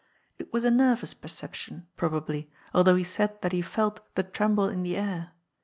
It was a nervous 224 GOD'S POOL. perception, probably, although he said that he felt *^ the tremble in the air."